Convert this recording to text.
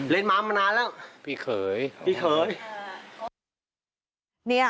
เล่นมามานานแล้วพี่เขย